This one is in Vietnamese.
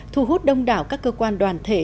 thu hút đông đảo các cơ quan đoàn thể